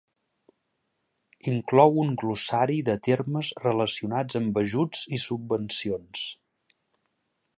Inclou un glossari de termes relacionats amb ajuts i subvencions.